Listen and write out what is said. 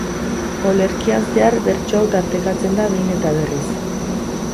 Olerkian zehar bertso hau tartekatzen da behin eta berriz.